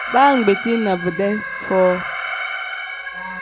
Baa ngbetii na bidee foo.